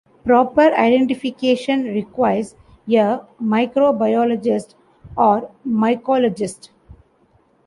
Proper identification requires a microbiologist or mycologist.